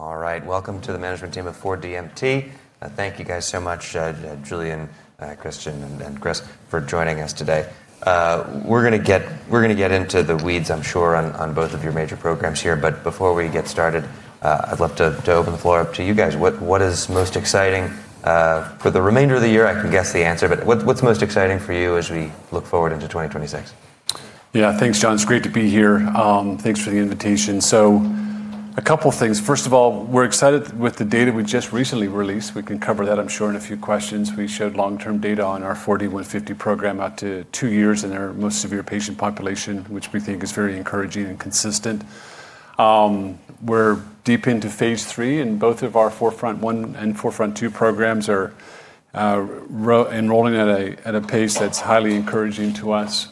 All right, welcome to the management team of 4DMT. Thank you guys so much, Julian, Kristian, and Chris, for joining us today. We're going to get into the weeds, I'm sure, on both of your major programs here. But before we get started, I'd love to open the floor up to you guys. What is most exciting? For the remainder of the year, I can guess the answer, but what's most exciting for you as we look forward into 2026? Yeah, thanks, John. It's great to be here. Thanks for the invitation. So a couple of things. First of all, we're excited with the data we just recently released. We can cover that, I'm sure, in a few questions. We showed long-term data on our 4D-150 program out to two years in our most severe patient population, which we think is very encouraging and consistent. We're deep into phase III, and both of our 4FRONT-1 and 4FRONT-2 programs are enrolling at a pace that's highly encouraging to us.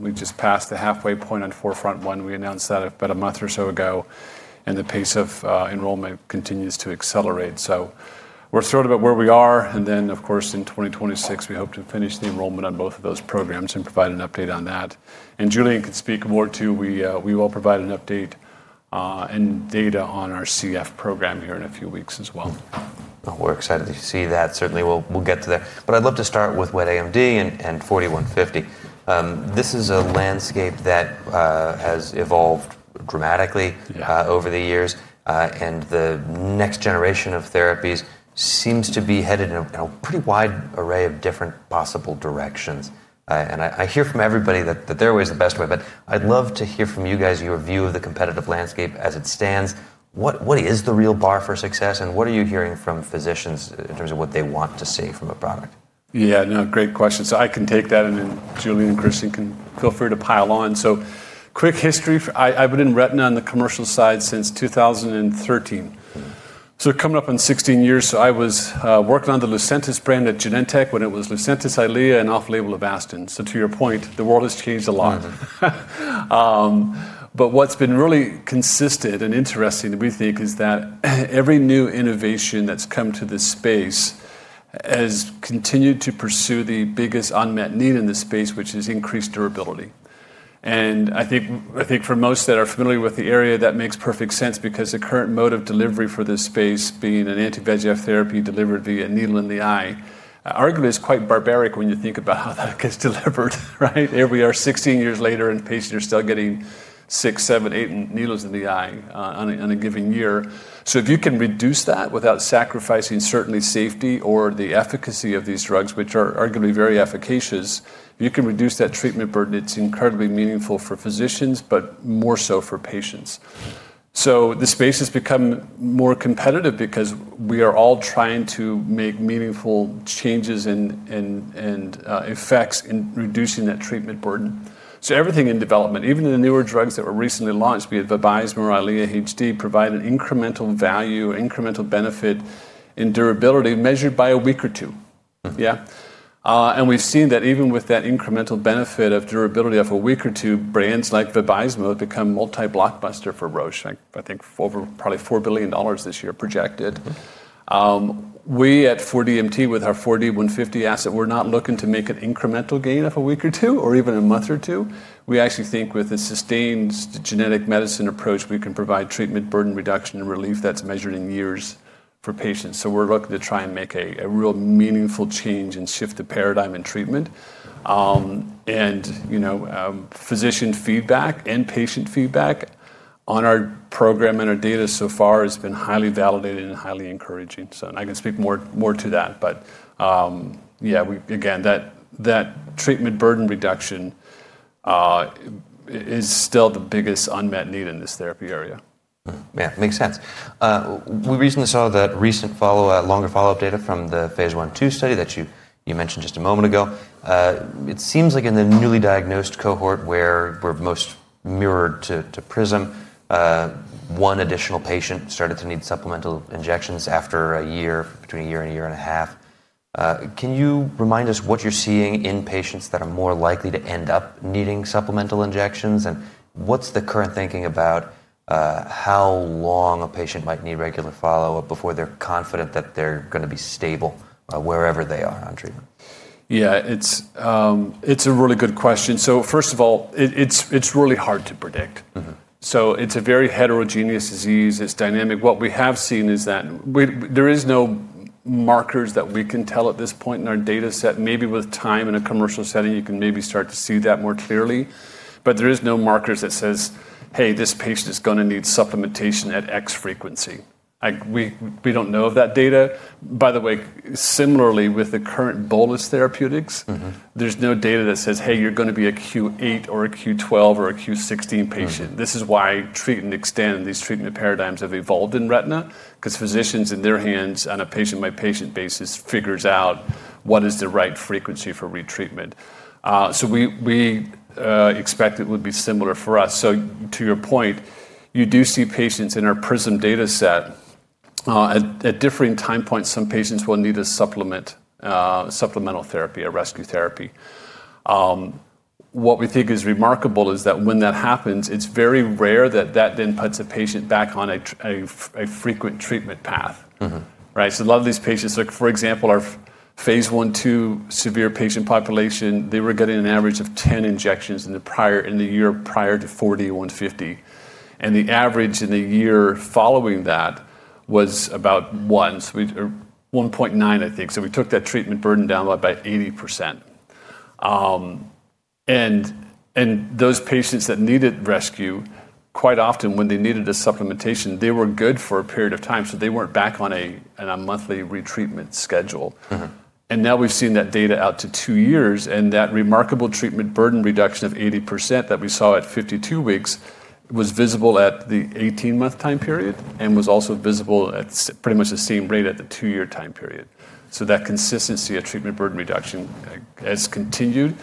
We just passed the halfway point on 4FRONT-1. We announced that about a month or so ago, and the pace of enrollment continues to accelerate. So we're thrilled about where we are. And then, of course, in 2026, we hope to finish the enrollment on both of those programs and provide an update on that. And Julian can speak more too. We will provide an update and data on our CF program here in a few weeks as well. We're excited to see that. Certainly, we'll get to that. But I'd love to start with wet AMD and 4D-150. This is a landscape that has evolved dramatically over the years, and the next generation of therapies seems to be headed in a pretty wide array of different possible directions. And I hear from everybody that there always is the best way, but I'd love to hear from you guys your view of the competitive landscape as it stands. What is the real bar for success, and what are you hearing from physicians in terms of what they want to see from a product? Yeah, no, great question. So I can take that, and then Julian and Kristian can feel free to pile on. So quick history. I've been in retina on the commercial side since 2013. So coming up on 16 years, I was working on the Lucentis brand at Genentech when it was Lucentis, Eylea, and off-label Avastin. So to your point, the world has changed a lot. But what's been really consistent and interesting, we think, is that every new innovation that's come to this space has continued to pursue the biggest unmet need in the space, which is increased durability. And I think for most that are familiar with the area, that makes perfect sense because the current mode of delivery for this space, being an anti-VEGF therapy delivered via a needle in the eye, arguably is quite barbaric when you think about how that gets delivered. Right? Here we are 16 years later, and patients are still getting six, seven, eight needles in the eye in a given year. So if you can reduce that without sacrificing, certainly, safety or the efficacy of these drugs, which are arguably very efficacious, if you can reduce that treatment burden, it's incredibly meaningful for physicians, but more so for patients. So the space has become more competitive because we are all trying to make meaningful changes and effects in reducing that treatment burden. So everything in development, even the newer drugs that were recently launched, we had Vabysmo or Eylea HD, provide an incremental value, incremental benefit in durability measured by a week or two. Yeah? And we've seen that even with that incremental benefit of durability of a week or two, brands like Vabysmo have become multi-blockbuster for Roche, I think probably $4 billion this year projected. We at 4DMT, with our 4D-150 asset, we're not looking to make an incremental gain of a week or two or even a month or two. We actually think with a sustained genetic medicine approach, we can provide treatment burden reduction and relief that's measured in years for patients. So we're looking to try and make a real meaningful change and shift the paradigm in treatment. And physician feedback and patient feedback on our program and our data so far has been highly validated and highly encouraging. So I can speak more to that. But yeah, again, that treatment burden reduction is still the biggest unmet need in this therapy area. Yeah, makes sense. We recently saw that recent longer follow-up data from the phase I/II study that you mentioned just a moment ago. It seems like in the newly diagnosed cohort, where we're most mirrored to PRISM, one additional patient started to need supplemental injections after a year, between a year and a year and a half. Can you remind us what you're seeing in patients that are more likely to end up needing supplemental injections, and what's the current thinking about how long a patient might need regular follow-up before they're confident that they're going to be stable wherever they are on treatment? Yeah, it's a really good question. So first of all, it's really hard to predict. So it's a very heterogeneous disease. It's dynamic. What we have seen is that there are no markers that we can tell at this point in our data set. Maybe with time in a commercial setting, you can maybe start to see that more clearly. But there are no markers that say, "Hey, this patient is going to need supplementation at X frequency." We don't know of that data. By the way, similarly, with the current bolus therapeutics, there's no data that says, "Hey, you're going to be a Q8 or a Q12 or a Q16 patient." This is why treat and extend these treatment paradigms have evolved in retina, because physicians, in their hands, on a patient-by-patient basis, figure out what is the right frequency for retreatment. We expect it would be similar for us. To your point, you do see patients in our PRISM data set. At differing time points, some patients will need a supplemental therapy, a rescue therapy. What we think is remarkable is that when that happens, it's very rare that that then puts a patient back on a frequent treatment path. Right? A lot of these patients, for example, our phase I/II severe patient population, they were getting an average of 10 injections in the year prior to 4D-150. The average in the year following that was about 1, so 1.9, I think. We took that treatment burden down by about 80%. Those patients that needed rescue, quite often when they needed a supplementation, they were good for a period of time, so they weren't back on a monthly retreatment schedule. Now we've seen that data out to two years, and that remarkable treatment burden reduction of 80% that we saw at 52 weeks was visible at the 18-month time period and was also visible at pretty much the same rate at the two-year time period. So that consistency of treatment burden reduction has continued,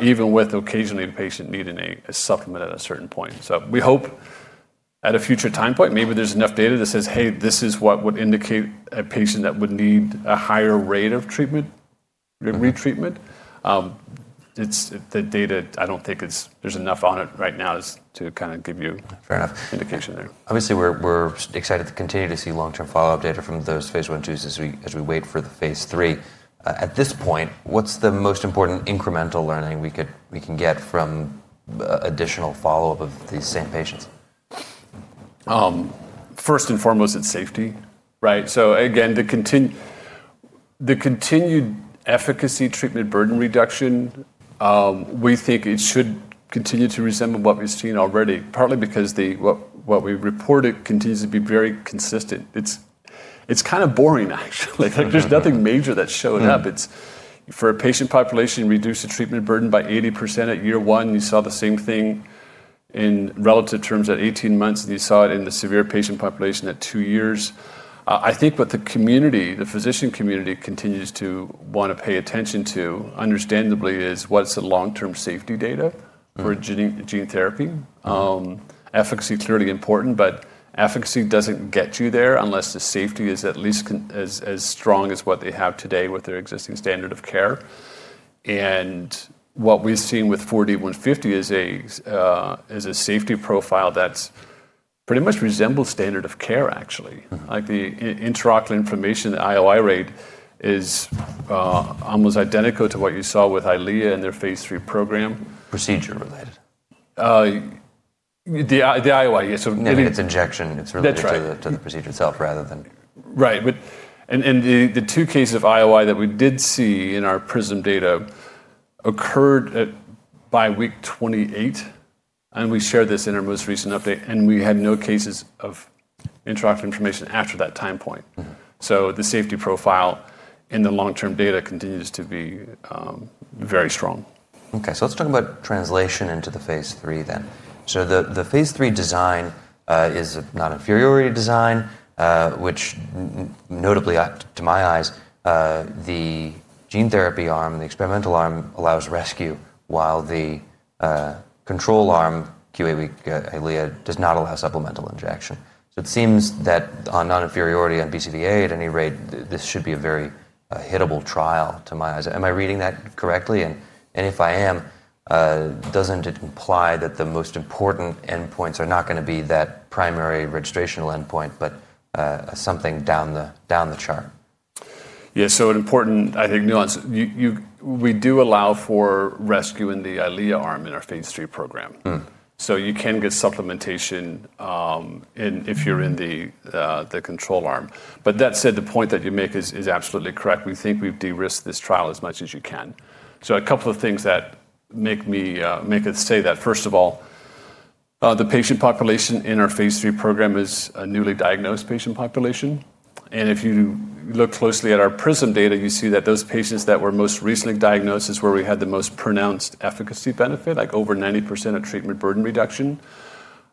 even with occasionally a patient needing a supplement at a certain point. So we hope at a future time point, maybe there's enough data that says, "Hey, this is what would indicate a patient that would need a higher rate of retreatment." The data, I don't think there's enough on it right now to kind of give you an indication there. Fair enough. Obviously, we're excited to continue to see long-term follow-up data from those phase I/II as we wait for the phase III. At this point, what's the most important incremental learning we can get from additional follow-up of these same patients? First and foremost, it's safety. Right? So again, the continued efficacy treatment burden reduction, we think it should continue to resemble what we've seen already, partly because what we reported continues to be very consistent. It's kind of boring, actually. There's nothing major that showed up. For a patient population, reduce the treatment burden by 80% at year one. You saw the same thing in relative terms at 18 months, and you saw it in the severe patient population at two years. I think what the community, the physician community, continues to want to pay attention to, understandably, is what's the long-term safety data for gene therapy. Efficacy is clearly important, but efficacy doesn't get you there unless the safety is at least as strong as what they have today with their existing standard of care. What we've seen with 4D-150 is a safety profile that pretty much resembles standard of care, actually. The intraocular inflammation, the IOI rate is almost identical to what you saw with Eylea in their phase III program. Procedure-related. The IOI, yes. Maybe it's injection. It's related to the procedure itself rather than. Right, and the two cases of IOI that we did see in our PRISM data occurred by week 28, and we shared this in our most recent update, and we had no cases of intraocular inflammation after that time point, so the safety profile in the long-term data continues to be very strong. Okay. So let's talk about translation into the phase III then. So the phase III design is a non-inferiority design, which notably, to my eyes, the gene therapy arm, the experimental arm, allows rescue, while the control arm, Q8 week Eylea, does not allow supplemental injection. So it seems that on non-inferiority and BCVA, at any rate, this should be a very hittable trial, to my eyes. Am I reading that correctly? And if I am, doesn't it imply that the most important endpoints are not going to be that primary registrational endpoint, but something down the chart? Yeah. So an important, I think, nuance. We do allow for rescue in the Eylea arm in our phase III program. So you can get supplementation if you're in the control arm. But that said, the point that you make is absolutely correct. We think we've de-risked this trial as much as you can. So a couple of things that make us say that, first of all, the patient population in our phase III program is a newly diagnosed patient population. And if you look closely at our PRISM data, you see that those patients that were most recently diagnosed is where we had the most pronounced efficacy benefit, like over 90% of treatment burden reduction.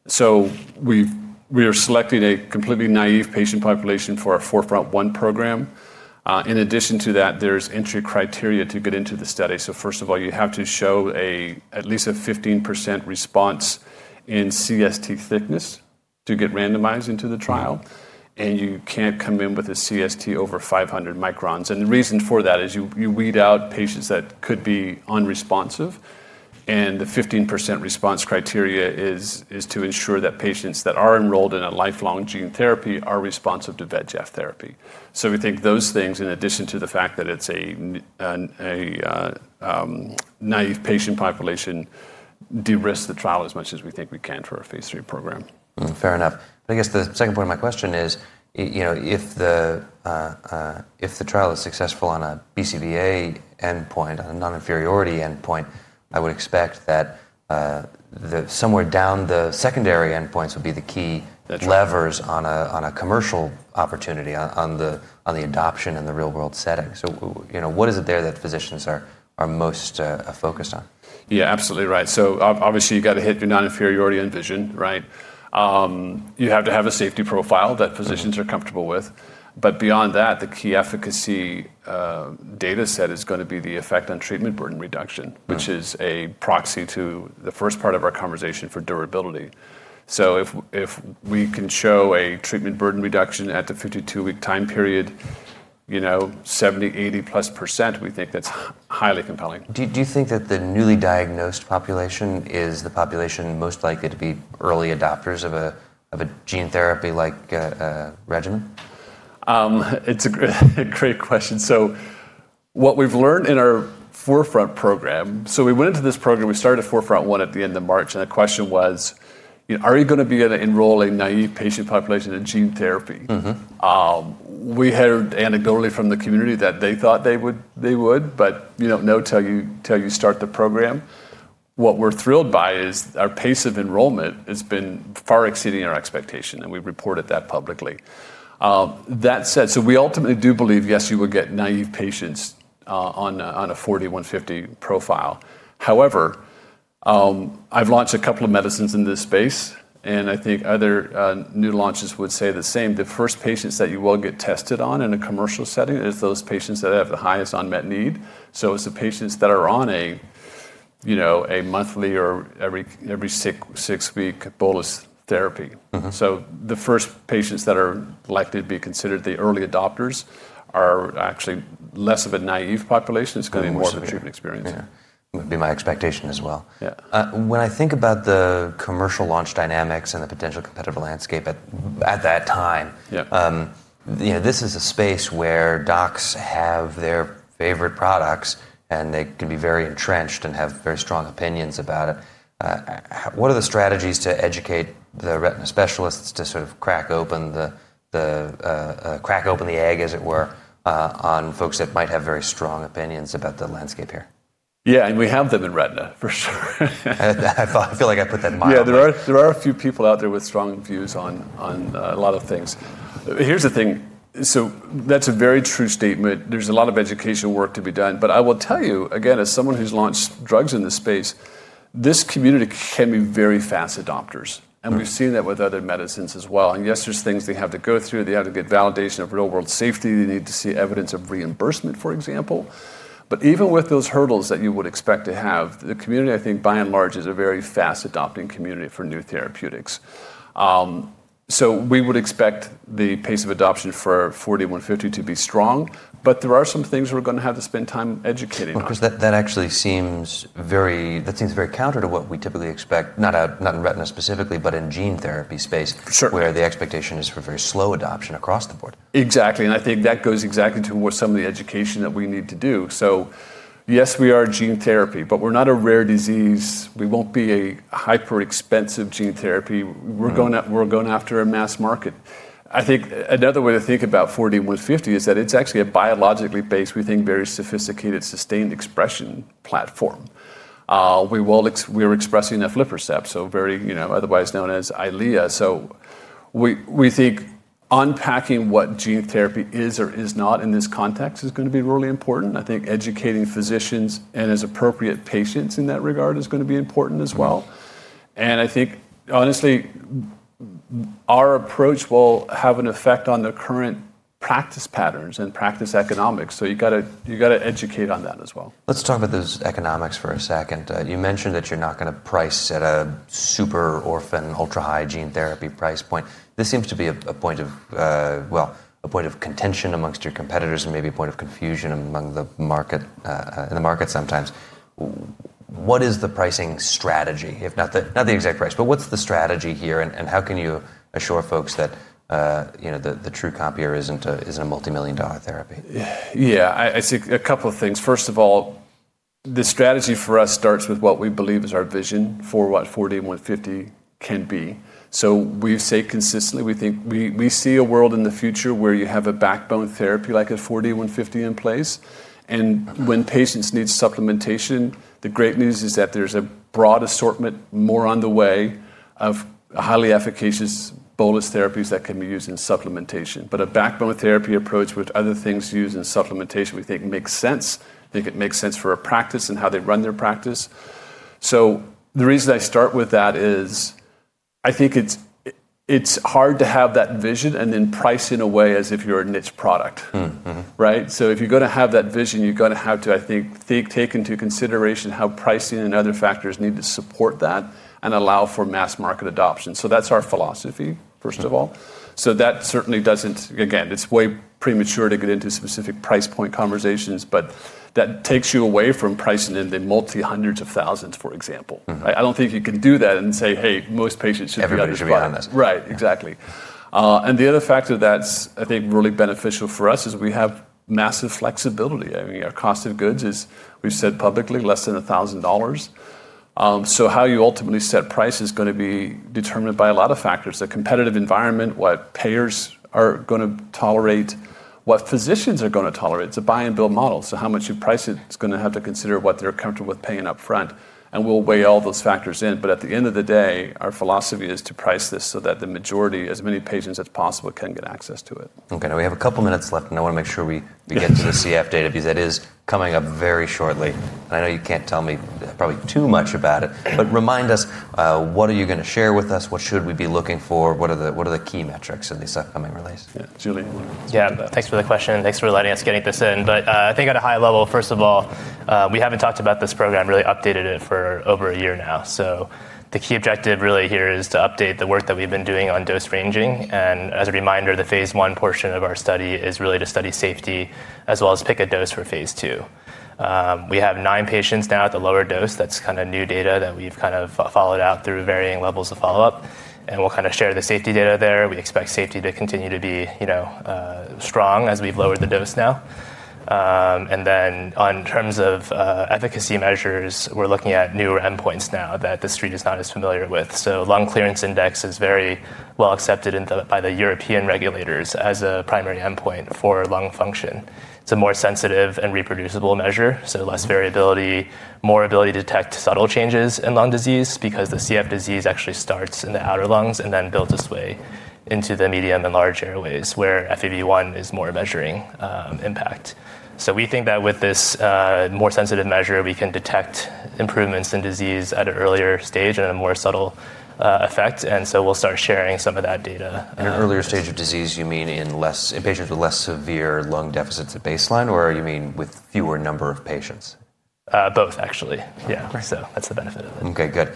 So we are selecting a completely naive patient population for our 4FRONT-1 program. In addition to that, there's entry criteria to get into the study. First of all, you have to show at least a 15% response in CST thickness to get randomized into the trial. You can't come in with a CST over 500 microns. The reason for that is you weed out patients that could be unresponsive. The 15% response criteria is to ensure that patients that are enrolled in a lifelong gene therapy are responsive to VEGF therapy. We think those things, in addition to the fact that it's a naive patient population, de-risk the trial as much as we think we can for our phase III program. Fair enough. But I guess the second part of my question is, if the trial is successful on a BCVA endpoint, on a non-inferiority endpoint, I would expect that somewhere down the secondary endpoints would be the key levers on a commercial opportunity, on the adoption in the real-world setting. So what is it there that physicians are most focused on? Yeah, absolutely right. So obviously, you've got to hit your non-inferiority endpoint. Right? You have to have a safety profile that physicians are comfortable with. But beyond that, the key efficacy data set is going to be the effect on treatment burden reduction, which is a proxy to the first part of our conversation for durability. So if we can show a treatment burden reduction at the 52-week time period, 70%-80%+, we think that's highly compelling. Do you think that the newly diagnosed population is the population most likely to be early adopters of a gene therapy-like regimen? It's a great question. So what we've learned in our 4FRONT program, so we went into this program, we started 4FRONT-1 at the end of March, and the question was, are you going to be able to enroll a naive patient population in gene therapy? We heard anecdotally from the community that they thought they would, but not until you start the program. What we're thrilled by is our pace of enrollment has been far exceeding our expectation, and we've reported that publicly. That said, so we ultimately do believe, yes, you will get naive patients on a 4D-150 profile. However, I've launched a couple of medicines in this space, and I think other new launches would say the same. The first patients that you will get tested on in a commercial setting are those patients that have the highest unmet need. So it's the patients that are on a monthly or every six-week bolus therapy. So the first patients that are likely to be considered the early adopters are actually less of a naive population. It's going to be more of a treatment experience. Yeah. It would be my expectation as well. When I think about the commercial launch dynamics and the potential competitive landscape at that time, this is a space where docs have their favorite products, and they can be very entrenched and have very strong opinions about it. What are the strategies to educate the retina specialists to sort of crack open the egg, as it were, on folks that might have very strong opinions about the landscape here? Yeah, and we have them in retina, for sure. I feel like I put that in my opinion. Yeah. There are a few people out there with strong views on a lot of things. Here's the thing. So that's a very true statement. There's a lot of education work to be done. But I will tell you, again, as someone who's launched drugs in this space, this community can be very fast adopters. And we've seen that with other medicines as well. And yes, there's things they have to go through. They have to get validation of real-world safety. They need to see evidence of reimbursement, for example. But even with those hurdles that you would expect to have, the community, I think, by and large, is a very fast adopting community for new therapeutics. So we would expect the pace of adoption for 4D-150 to be strong. But there are some things we're going to have to spend time educating on. Of course, that actually seems very counter to what we typically expect, not in retina specifically, but in gene therapy space, where the expectation is for very slow adoption across the board. Exactly. And I think that goes exactly towards some of the education that we need to do. So yes, we are gene therapy, but we're not a rare disease. We won't be a hyper-expensive gene therapy. We're going after a mass market. I think another way to think about 4D-150 is that it's actually a biologically based, we think, very sophisticated sustained expression platform. We are expressing aflibercept, otherwise known as Eylea. So we think unpacking what gene therapy is or is not in this context is going to be really important. I think educating physicians and, as appropriate, patients in that regard is going to be important as well. And I think, honestly, our approach will have an effect on the current practice patterns and practice economics. So you've got to educate on that as well. Let's talk about those economics for a second. You mentioned that you're not going to price at a super orphan, ultra-high gene therapy price point. This seems to be a point of, well, a point of contention amongst your competitors and maybe a point of confusion in the market sometimes. What is the pricing strategy, if not the exact price, but what's the strategy here? And how can you assure folks that the true cost per year isn't a multimillion-dollar therapy? Yeah. I see a couple of things. First of all, the strategy for us starts with what we believe is our vision for what 4D-150 can be. So we say consistently, we think we see a world in the future where you have a backbone therapy like a 4D-150 in place. And when patients need supplementation, the great news is that there's a broad assortment more on the way of highly efficacious bolus therapies that can be used in supplementation. But a backbone therapy approach with other things used in supplementation, we think makes sense. We think it makes sense for a practice and how they run their practice. So the reason I start with that is I think it's hard to have that vision and then price in a way as if you're a niche product. Right? So if you're going to have that vision, you're going to have to, I think, take into consideration how pricing and other factors need to support that and allow for mass market adoption. So that's our philosophy, first of all. So that certainly doesn't, again, it's way premature to get into specific price point conversations, but that takes you away from pricing in the multi-hundreds of thousands, for example. I don't think you can do that and say, "Hey, most patients should. Everybody should be on this. Right. Exactly. And the other factor that's, I think, really beneficial for us is we have massive flexibility. I mean, our cost of goods is, we've said publicly, less than $1,000. So how you ultimately set price is going to be determined by a lot of factors: the competitive environment, what payers are going to tolerate, what physicians are going to tolerate. It's a buy-and-bill model. So how much you price it, it's going to have to consider what they're comfortable with paying upfront. And we'll weigh all those factors in. But at the end of the day, our philosophy is to price this so that the majority, as many patients as possible, can get access to it. Okay. Now, we have a couple of minutes left, and I want to make sure we get to the CF data, because that is coming up very shortly. And I know you can't tell me probably too much about it, but remind us, what are you going to share with us? What should we be looking for? What are the key metrics in these upcoming releases? Yeah. Julian, you want to start? Yeah. Thanks for the question. Thanks for letting us get this in, but I think at a high level, first of all, we haven't talked about this program, really updated it for over a year now, so the key objective really here is to update the work that we've been doing on dose ranging, and as a reminder, the phase I portion of our study is really to study safety as well as pick a dose for phase II. We have nine patients now at the lower dose. That's kind of new data that we've kind of followed out through varying levels of follow-up, and we'll kind of share the safety data there. We expect safety to continue to be strong as we've lowered the dose now, and then in terms of efficacy measures, we're looking at newer endpoints now that the street is not as familiar with. So lung clearance index is very well accepted by the European regulators as a primary endpoint for lung function. It's a more sensitive and reproducible measure, so less variability, more ability to detect subtle changes in lung disease, because the CF disease actually starts in the outer lungs and then builds its way into the medium and large airways, where FEV1 is more measuring impact. So we think that with this more sensitive measure, we can detect improvements in disease at an earlier stage and a more subtle effect. And so we'll start sharing some of that data. An earlier stage of disease, you mean in patients with less severe lung deficits at baseline, or you mean with fewer number of patients? Both, actually. Yeah. So that's the benefit of it. Okay. Good.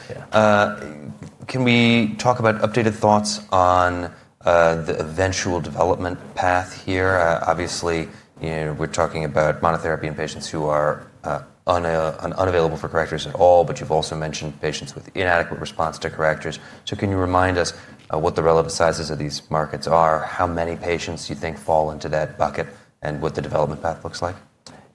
Can we talk about updated thoughts on the eventual development path here? Obviously, we're talking about monotherapy in patients who are unavailable for correctors at all, but you've also mentioned patients with inadequate response to correctors. So can you remind us what the relative sizes of these markets are, how many patients you think fall into that bucket, and what the development path looks like?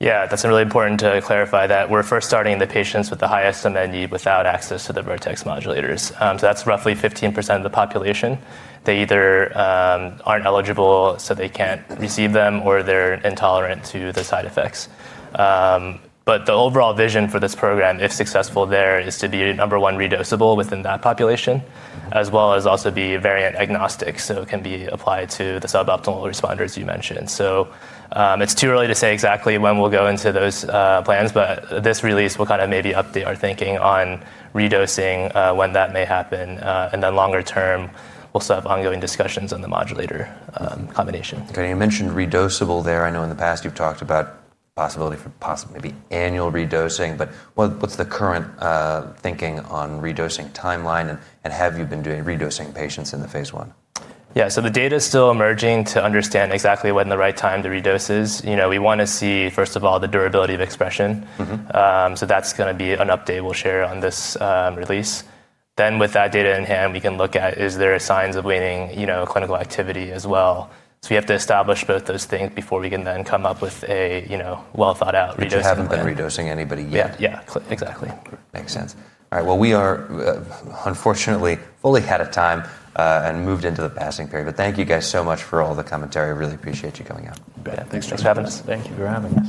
Yeah. That's really important to clarify that. We're first starting the patients with the highest unmet need without access to the Vertex modulators. So that's roughly 15% of the population. They either aren't eligible, so they can't receive them, or they're intolerant to the side effects. But the overall vision for this program, if successful there, is to be number one, redosible within that population, as well as also be variant agnostic, so it can be applied to the suboptimal responders you mentioned. So it's too early to say exactly when we'll go into those plans, but this release will kind of maybe update our thinking on redosing when that may happen, and then longer term, we'll still have ongoing discussions on the modulator combination. Okay. You mentioned redosible there. I know in the past you've talked about the possibility for possibly maybe annual redosing. But what's the current thinking on redosing timeline, and have you been redosing patients in the phase I? Yeah. So the data is still emerging to understand exactly when the right time to redose is. We want to see, first of all, the durability of expression. So that's going to be an update we'll share on this release. Then with that data in hand, we can look at, is there signs of waning clinical activity as well? So we have to establish both those things before we can then come up with a well-thought-out redosing plan. But you haven't been redosing anybody yet. Yeah. Yeah. Exactly. Makes sense. All right. Well, we are unfortunately fully out of time and moved into the passing period. But thank you guys so much for all the commentary. I really appreciate you coming out. Thanks for having us. Thank you for having us.